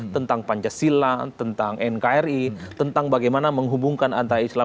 tentang pancasila tentang nkri tentang bagaimana menghubungkan antara islam